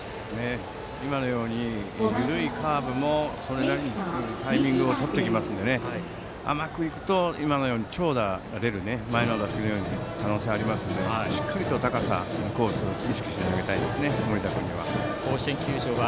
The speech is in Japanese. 今のように緩いカーブもそれなりにタイミングをとってきますから甘くいくと前の打席みたいに長打が出る可能性がありますのでしっかりと高さ、コースを意識して森田君には投げたいですね。